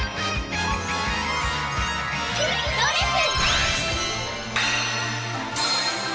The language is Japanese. ドレス！